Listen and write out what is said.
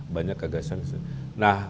banyak kegagasan disini nah